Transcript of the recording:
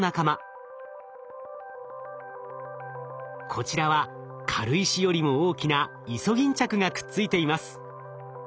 こちらは軽石よりも大きなイソギンチャクがくっついています。